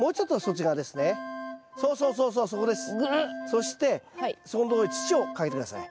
そしてそこんとこに土をかけて下さい。